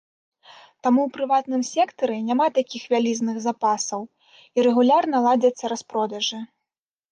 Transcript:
Таму ў прыватным сектары няма такіх вялізных запасаў, і рэгулярна ладзяцца распродажы.